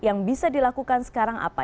yang bisa dilakukan sekarang apa